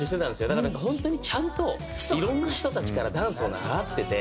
だから本当にちゃんといろんな人たちからダンスを習ってて。